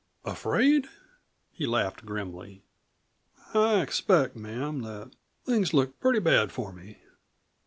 "Afraid?" he laughed grimly. "I expect, ma'am, that things look pretty bad for me.